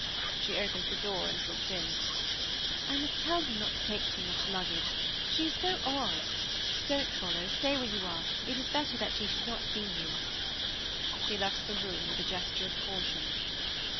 She opened the door and looked in. "I must tell her not to take too much luggage. She is so odd! Don't follow stay where you are it is better that she should not see you." She left the room with a gesture of caution.